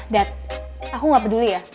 that aku gak peduli ya